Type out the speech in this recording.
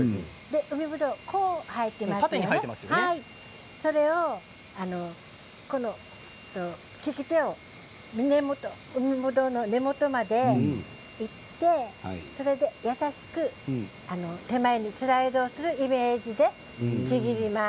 海ぶどうは縦に生えていますのでそれを利き手を根元までいってそれで優しく手前にスライドするようなイメージでちぎります。